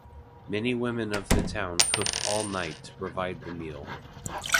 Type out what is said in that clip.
Many women of the town cooked all night to provide the meal.